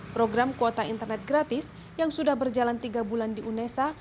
program kuota internet gratis yang sudah berjalan tiga bulan di unesa